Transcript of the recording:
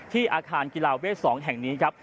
อาคารกีฬาเวท๒แห่งนี้ครับ